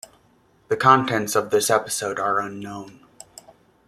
The contents of this episode are unknown.